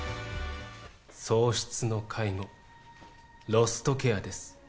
喪失の介護、ロストケアです。